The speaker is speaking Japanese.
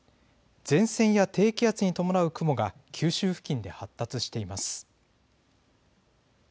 前線や低気圧に伴う雲が九州付近で発達しています。